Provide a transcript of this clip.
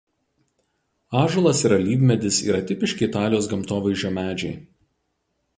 Ąžuolas ir alyvmedis yra tipiški Italijos gamtovaizdžio medžiai.